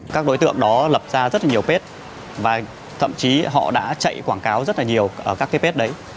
các đối tượng đó lập ra rất nhiều page và thậm chí họ đã chạy quảng cáo rất nhiều các page đấy